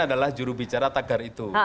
adalah jurubicara tagar itu